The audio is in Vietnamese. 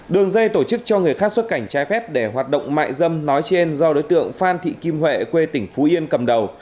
đường dây tổ chức cho người khác xuất cảnh trái phép để hoạt động mại dâm nói trên do đối tượng phan thị kim huệ quê tỉnh phú yên cầm đầu